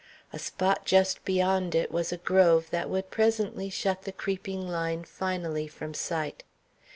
A spot just beyond it was a grove that would presently shut the creeping line finally from sight.